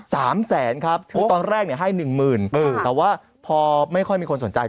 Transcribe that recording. สามแสนครับคือตอนแรกเนี่ยให้หนึ่งหมื่นเออแต่ว่าพอไม่ค่อยมีคนสนใจ